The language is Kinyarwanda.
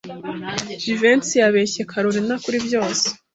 Jivency yabeshye Kalorina kuri byose.